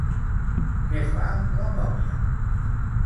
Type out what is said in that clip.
Què fa la mòmia?